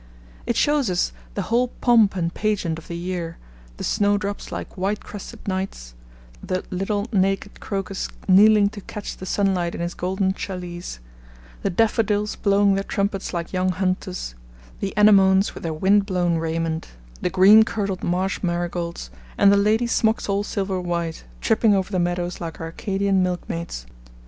It shows us the whole pomp and pageant of the year, the Snowdrops like white crested knights, the little naked Crocus kneeling to catch the sunlight in his golden chalice, the Daffodils blowing their trumpets like young hunters, the Anemones with their wind blown raiment, the green kirtled Marsh marigolds, and the 'Lady smocks all silver white,' tripping over the meadows like Arcadian milk maids.